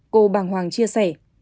cô bàng hoàng chia sẻ